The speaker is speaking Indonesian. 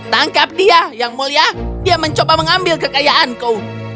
tangkap dia yang mulia dia mencoba mengambil kekayaanku